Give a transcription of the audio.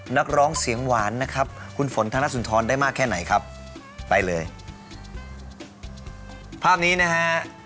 นักร้องเสียงหวานนะครับคุณฝนธนสุนทรได้มากแค่ไหนครับไปเลยภาพนี้นะฮะ